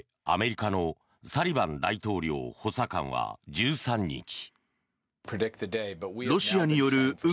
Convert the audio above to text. アメリカのサリバン大統領補佐官は１３日。